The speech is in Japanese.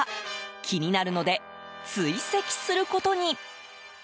気になるので追跡することに。